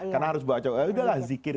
karena harus baca yaudah lah zikir